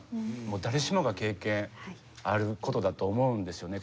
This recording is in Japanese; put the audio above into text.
誰しもが経験あることだと思うんですよね。